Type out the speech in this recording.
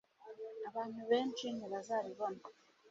Abantu benshi ntibazabibona